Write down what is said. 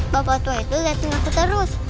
bapak tua itu ngeliatin aku terus